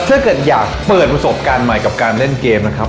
ถ้าเกิดอยากเปิดประสบการณ์ใหม่กับการเล่นเกมนะครับ